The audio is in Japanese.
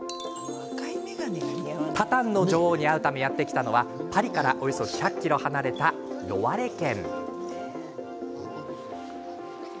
タタンの女王に会うためやって来たのは、パリからおよそ１００ｋｍ離れたロワレ県。